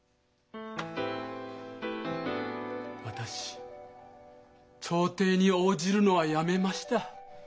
私調停に応じるのはやめました。